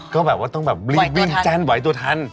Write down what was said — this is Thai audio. ก็แบบว่าต้องแบบรีบวิ่งแจ้นไหวตัวทัน